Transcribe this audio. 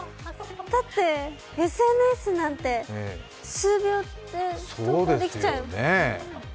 だってＳＮＳなんて数秒でできちゃう。